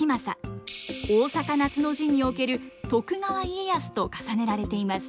大坂夏の陣における徳川家康と重ねられています。